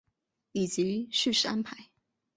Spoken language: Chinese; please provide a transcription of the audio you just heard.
以及叙事安排